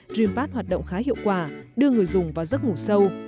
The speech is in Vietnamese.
dreampad hoạt động khá hiệu quả đưa người dùng vào giấc ngủ sâu